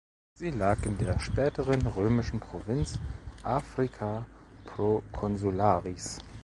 Sie lag in der späteren römischen Provinz "Africa proconsularis".